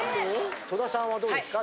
戸田さんはどうですか？